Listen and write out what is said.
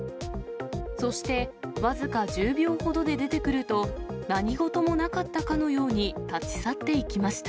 そして僅か１０秒ほどで出てくると、何事もなかったかのように立ち去っていきました。